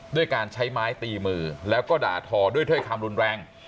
ด้วยการใช้ไม้ตีมือแล้วก็ด่าทอด้วยถ้อยคำรุนแรง